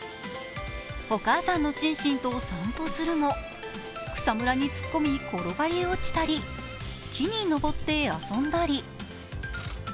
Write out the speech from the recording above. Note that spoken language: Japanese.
お母さんのシンシンと散歩するも草むらに突っ込み転がり落ちたり、木に登って遊んだり。